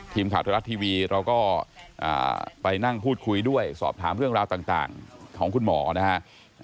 ทีมข่าวไทยรัฐทีวีเราก็ไปนั่งพูดคุยด้วยสอบถามเรื่องราวต่างของคุณหมอนะครับ